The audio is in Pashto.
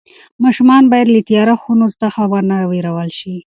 ماشومان باید له تیاره خونو څخه ونه وېرول شي.